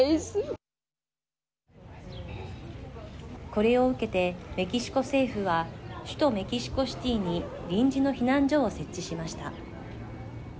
これを受けてメキシコ政府は首都メキシコシティーに臨時の避難所を設置しました。